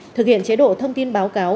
thực hiện chế độ thông tin báo cáo